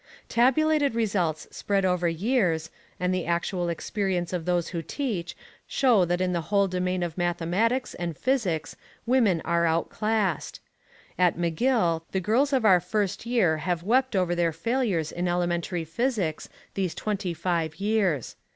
Tabulated results spread over years, and the actual experience of those who teach show that in the whole domain of mathematics and physics women are outclassed. At McGill the girls of our first year have wept over their failures in elementary physics these twenty five years.